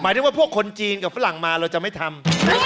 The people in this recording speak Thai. ที่ว่าพวกคนจีนกับฝรั่งมาเราจะไม่ทำ